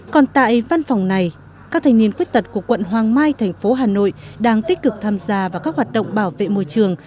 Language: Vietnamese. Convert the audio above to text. còn tại văn phòng này các thanh niên khuyết tật của quận hoàng mai thành phố hà nội đang tích cực tham gia vào các hoạt động bảo vệ môi trường